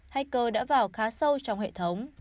hacker đã vào khá sâu trong hệ thống